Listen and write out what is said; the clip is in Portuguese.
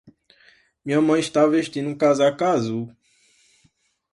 Minha mãe está vestindo um casaco azul.